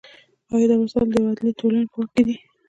یا آیا دا وسایل د یوې عادلې ټولنې په واک کې دي؟